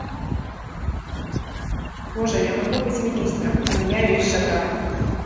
Божа, я магу быць міністрам, але я ёсць жабрак.